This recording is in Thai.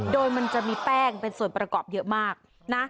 โดยมันจะมีแป้งเป็นส่วนประกอบเยอะมากนะ